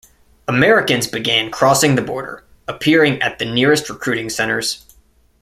Americans began crossing the border, appearing at the nearest recruiting centres.